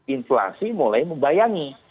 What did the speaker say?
inflasi mulai membayangi